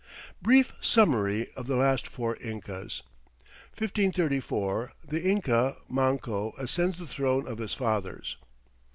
Brief Summary of the Last Four Incas 1534. The Inca Manco ascends the throne of his fathers.